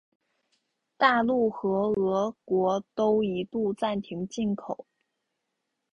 大陆和俄国都一度暂停进口。